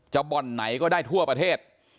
บ่อนไหนก็ได้ทั่วประเทศ